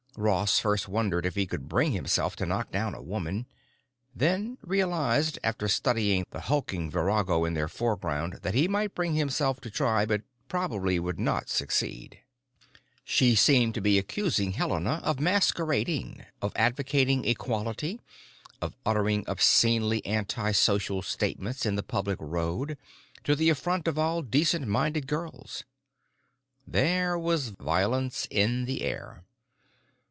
Ross first wondered if he could bring himself to knock down a woman; then realized after studying the hulking virago in their foreground that he might bring himself to try but probably would not succeed. She seemed to be accusing Helena of masquerading, of advocating equality, of uttering obscenely antisocial statements in the public road, to the affront of all decent minded girls. There was violence in the air.